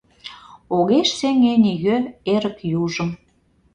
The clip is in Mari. Огеш сеҥе нигӧ эрык южым.